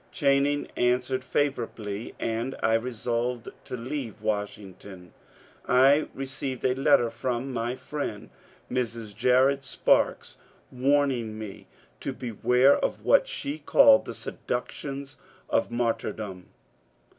Channing answered favourably, and I resolved to leave Washington. I received a letter from my friend Mrs. Jared Sparks warning me to beware of what she called '^ the seductions of martyrdom."